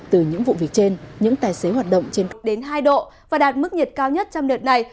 từ những vụ việc trên những tài xế hoạt động trên đến hai độ và đạt mức nhiệt cao nhất trong đợt này